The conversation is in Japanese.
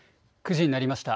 ９時になりました。